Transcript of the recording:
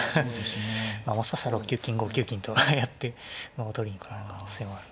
もしかしたら６九金５九金とやって馬を取りに来られる可能性もある。